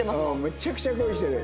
めちゃくちゃ恋してる。